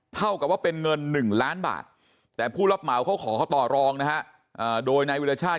เท่ากับว่าเป็นเงิน๑ล้านบาทแต่ผู้รับเหมาเขาขอต่อรองนะฮะโดยนายวิรชาติ